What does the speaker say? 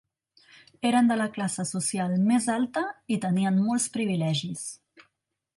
Eren de la classe social més alta i tenien molts privilegis.